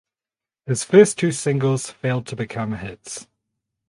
His first two singles failed to become hits.